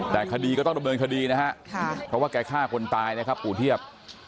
แต่คดีก็ต้องดำเนินคดีนะฮะเพราะว่าแกฆ่าคนตายนะครับปู่เทียบ